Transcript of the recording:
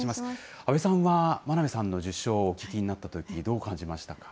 阿部さんは真鍋さんの受賞をお聞きになったとき、どう感じましたか？